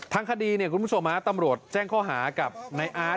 ทางคดีคุณผู้ชมศาสตร์ตำรวจแจ้งข้อหากับนายอาร์ต